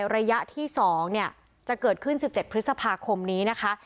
ระยะที่๒จะเกิดขึ้น๑๗พฤษภาคมนี้นะคะ